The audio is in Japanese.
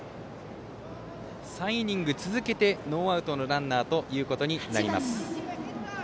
３イニング続けてノーアウトのランナーとなります。